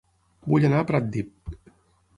Vull anar a Pratdip